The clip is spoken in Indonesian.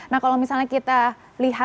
nah kalau misalnya kita lihat gali ini ya